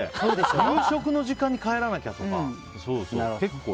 夕食の時間に帰らなきゃ！とか。